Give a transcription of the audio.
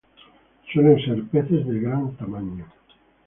Suelen ser peces de gran tamaño.